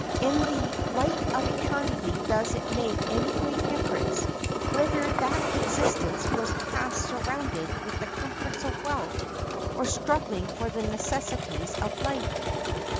In the light of eternity does it make any great difference whether that existence was passed surrounded with the comforts of wealth or struggling for the necessities of life?